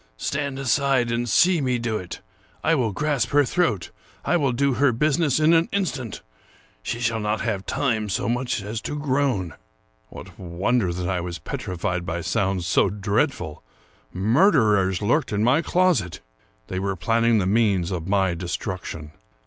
stand aside, and see me do it. I will grasp her throat; I will do her business in an instant; she shall not have time so much as to groan." What wonder that I was petrified by sounds so dreadful! Murderers lurked in my closet. They were planning the means of my destruction.